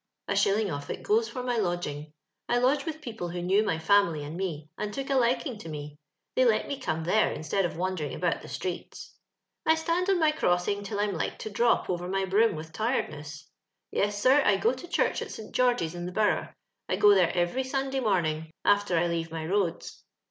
A shilling of it goes for my lodging. I lodge witli people who knew my family and me, and tot >k a liking to me ; they let me come there instead of wandering about the st^reets. " I stand on my crossing till I'm like to drop over my broom with tiredness. Yes, sir, r go to church at St George's in the Borough. I go there every Sundoy morning, after I leave my roads.